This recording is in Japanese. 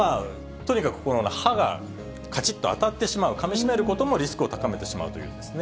とにかくこの歯がかちっと当たってしまう、かみしめることもリスクを高めてしまうというんですね。